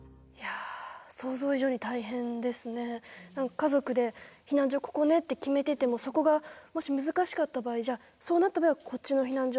家族で「避難所ここね」って決めててもそこがもし難しかった場合じゃあそうなった場合はこっちの避難所